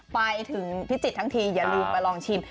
ไปถึงพิจิตรทั้งทีอย่าลืมไปลองชิม